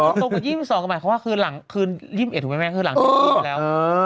ตรงกับ๒๒ก่อนใหม่คืน๒๑ถูกมั้ยแม่งคืนหลัง๒๒แล้ว